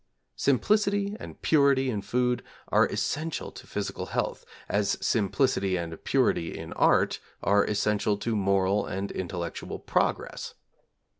Simplicity and purity in food are essential to physical health as simplicity and purity in art are essential to moral and intellectual progress.